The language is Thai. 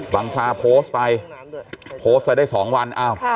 บังซาโพสต์ไปโพสต์ไปได้๒วัน